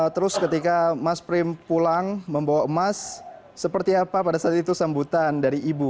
terus ketika mas prim pulang membawa emas seperti apa pada saat itu sambutan dari ibu